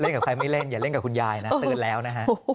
กับใครไม่เล่นอย่าเล่นกับคุณยายนะเตือนแล้วนะฮะ